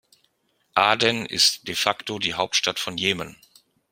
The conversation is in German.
Aden ist de facto die Hauptstadt von Jemen.